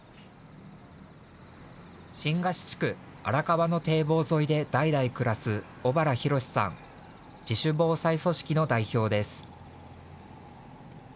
新河岸地区・荒川の堤防沿いで代々暮らす小原寛さん、自主防災組織の代表です。